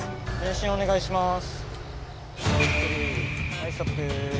はいストップ。